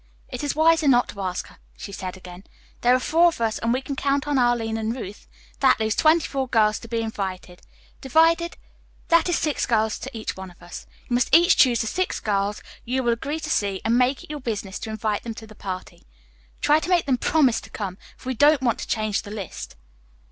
"It is wiser not to ask her," she said again. "There are four of us, and we can count on Arline and Ruth; that leaves twenty four girls to be invited. Divided, that is six girls to each one of us. You must each choose the six girls you will agree to see and make it your business to invite them to the party. Try to make them promise to come, for we don't want to change the list."